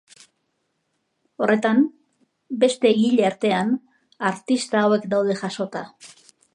Horretan, beste egile artean, artista hauek daude jasota.